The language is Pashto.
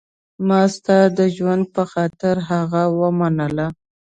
ما ستا د ژوند په خاطر هغه ومنله.